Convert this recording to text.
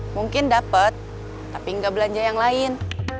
mungkin dapet tapi gak belanja yang lain